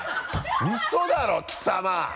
ウソだろう貴様！